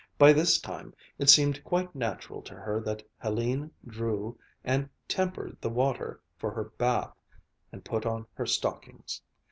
By this time it seemed quite natural to her that Hélène drew and tempered the water for her bath, and put on her stockings.